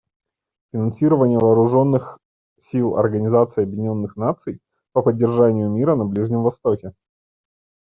Финансирование Вооруженных сил Организации Объединенных Наций по поддержанию мира на Ближнем Востоке.